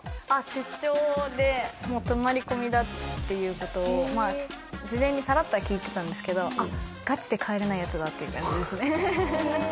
出張でもう泊まり込みだっていう事をまあ事前にサラッとは聞いてたんですけど「あっガチで帰れないやつだ」っていう感じですね。